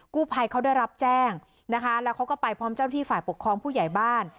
กู้ภัยเขาได้รับแจ้งนะคะแล้วเขาก็ไปพร้อมเจ้าที่ฝ่ายปกครองผู้ใหญ่บ้าน